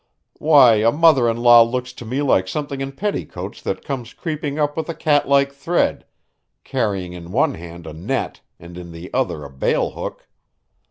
Why, a mother in law looks to me like something in petticoats that comes creeping up with a catlike tread, carrying in one hand a net and in the other a bale hook.